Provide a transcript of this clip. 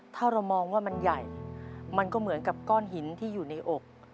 ถ้าเรามองว่ามันใหญ่มันก็เหมือนกับก้อนหินที่อยู่ในอก